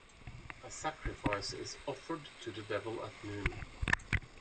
A sacrifice is offered to the Devil at noon.